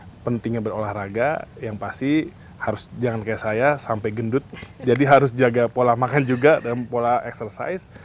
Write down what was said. dan pentingnya para olahraga yang pasti jangan kayak saya sampe gendut jadi harus jaga pola makanan juga dan pola eksersis